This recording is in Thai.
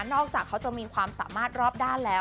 จากเขาจะมีความสามารถรอบด้านแล้ว